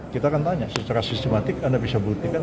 kita akan tanya secara sistematik anda bisa buktikan